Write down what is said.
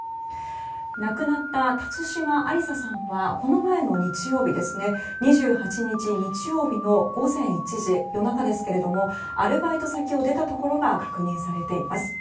亡くなった辰島ありささんはこの前の日曜日２８日、日曜日の午前１時夜中ですけれどもアルバイト先を出たところが確認されています。